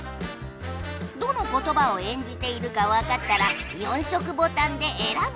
どのことばを演じているかわかったら４色ボタンでえらぶのじゃ。